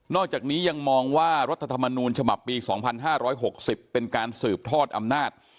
อกจากนี้ยังมองว่ารัฐธรรมนูญฉบับปี๒๕๖๐เป็นการสืบทอดอำนาจ